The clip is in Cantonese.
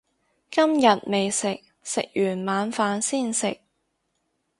今日未食，食完晚飯先食